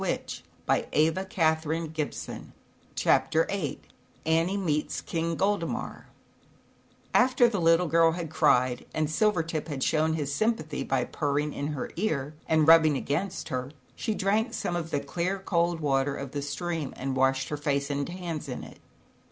"Miaow, miaow," said Silvertip* Chapter VIII Annie Meets King' Goldemacr THE little girl had cried and Silvertip had shown his sympathy by purring in her ear, and rub bing against her, she drank some of the clear cold water of the stream and washed her face and hands in it.